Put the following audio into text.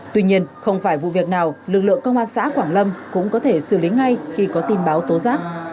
tuy nhiên không phải vụ việc nào lực lượng công an xã quảng lâm cũng có thể xử lý ngay khi có tin báo tố giác